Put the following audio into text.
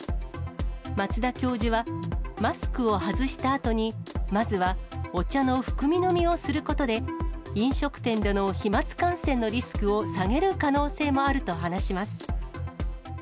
松田教授はマスクを外したあとに、まずはお茶の含み飲みをすることで、飲食店での飛まつ感染のリスクを下げる可能性もあると話します。